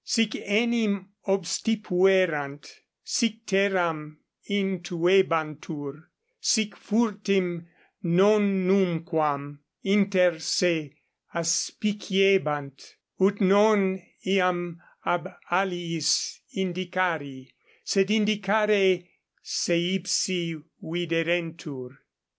Sic enim obstipuerant, sic terram intuebantur, sic furtim nonnumquam inter se aspiciebant, ut non iam ab aliis indicari, sed indicare se ipsi viderentur.